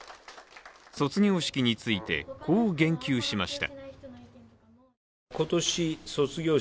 卒業式について、こう言及しました。